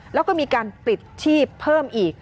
แล้วก็มีการปิดชีพเพิ่มอีก